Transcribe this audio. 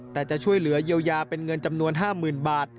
แต่จะช่วยเหลือเยียวยาเป็นเงินจำนวน๕๐๐๐บาท